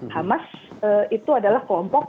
hamas itu adalah kelompok